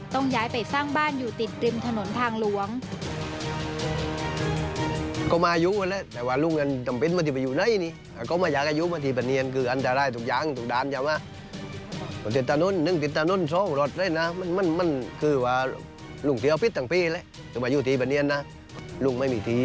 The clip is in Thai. ต้องย้ายไปสร้างบ้านอยู่ติดริมถนนทางหลวง